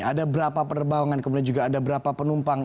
ada berapa penerbangan kemudian juga ada berapa penumpang